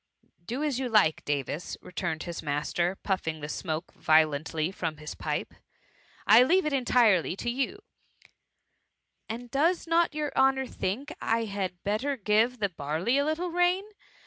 ^Do as you like, Davis,^ returned his mas ter, puffing the smoke violently from his pipe, '* I leave it entirely to you/' ^ And does not your honour think I had better give the barley a little rain?